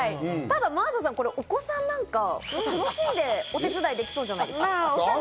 真麻さん、お子さんなんか楽しんで、お手伝いできそうじゃないですか？